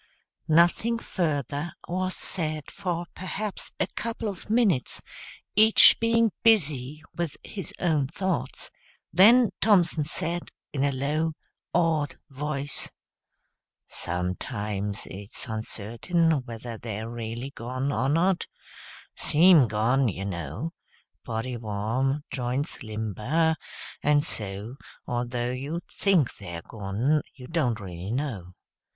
Nothing further was said for perhaps a couple of minutes, each being busy with his own thoughts; then Thompson said, in a low, awed voice, "Sometimes it's uncertain whether they're really gone or not, seem gone, you know body warm, joints limber and so, although you think they're gone, you don't really know.